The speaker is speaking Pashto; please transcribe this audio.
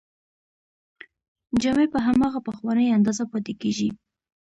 جامې په هماغه پخوانۍ اندازه پاتې کیږي.